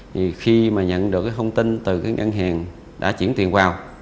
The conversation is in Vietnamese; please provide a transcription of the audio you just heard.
thì khi mà nhận được cái thông tin từ cái ngân hàng đã chuyển tiền vào